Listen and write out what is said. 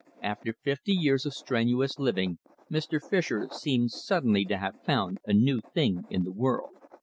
After fifty years of strenuous living, Mr. Fischer seemed suddenly to have found a new thing in the world.